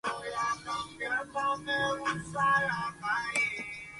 La mujer pidió entonces a su hijo que la llevase hasta aquel árbol.